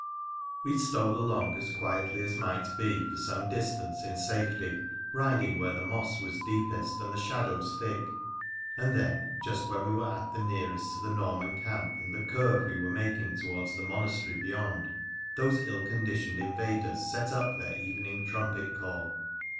We stole along as quietly as might be for some distance in safety, riding where the moss was deepest and the shadows thick, and then, just when we were at the nearest to the Norman camp in the curve we were making towards the monas tery beyond, those ill conditioned invaders set up their evening trumpet call.